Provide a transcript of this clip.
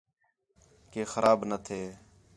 کہ خراب نہ تھے